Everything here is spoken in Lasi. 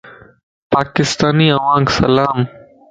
پاڪستاني اوھانک سلام